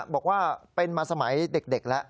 บอกว่าเป็นมาสมัยเด็กแล้ว